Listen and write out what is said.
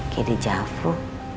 kayak di javro